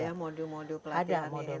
ada modul modul pelatihan